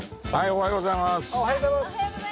おはようございます。